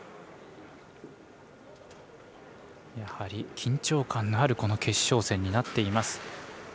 やはり、緊張感のあるこの決勝戦になっています。